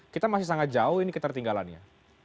kita masih sangat jauh ini ketertinggalannya